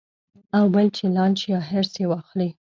او بل چې لالچ يا حرص ئې واخلي -